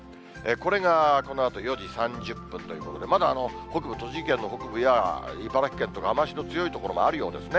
これがこのあと４時３０分ということで、まだ北部、栃木県の北部や茨城県とか、雨足の強い所もあるようですね。